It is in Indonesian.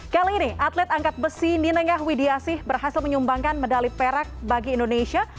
kali ini atlet angkat besi ninengah widiasih berhasil menyumbangkan medali perak bagi indonesia